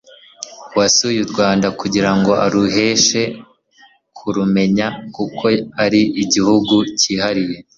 uwasuye u Rwanda kugira ngo arusheho kurumenya kuko ari igihugu kihariye,